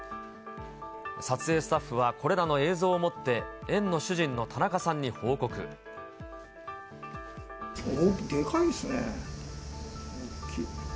撮影スタッフは、これらの映像を持って、園の主人の田中さんに報でかいですね、大きい。